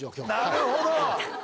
なるほど。